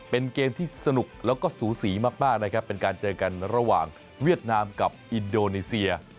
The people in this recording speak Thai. เป็นเกมที่สนุกแล้วก็สูสีมากนะครับเป็นการเจอกันระหว่างเวียดนามกับอินโดนีเซีย